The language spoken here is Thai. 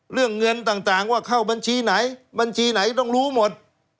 เรื่องเงินต่างว่าเข้าบัญชีไหนบัญชีไหนต้องรู้หมด